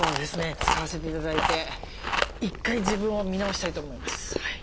使わせて頂いて１回自分を見直したいと思います。